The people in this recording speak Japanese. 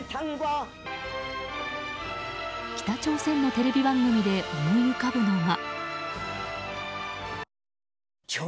北朝鮮のテレビ番組で思い浮かぶのが。